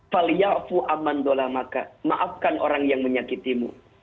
maafkan orang yang menyakitimu